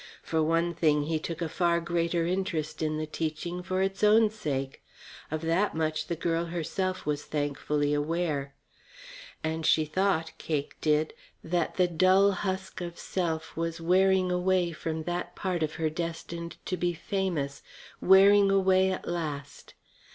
For one thing, he took a far greater interest in the teaching for its own sake. Of that much the girl herself was thankfully aware. And she thought, Cake did, that the dull husk of self was wearing away from that part of her destined to be famous, wearing away at last.